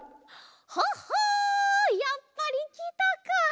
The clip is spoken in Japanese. ほっほやっぱりきたか。